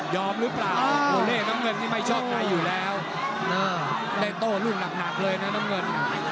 หรือเปล่าโอเล่น้ำเงินนี่ไม่ชอบในอยู่แล้วได้โต้ลูกหนักเลยนะน้ำเงิน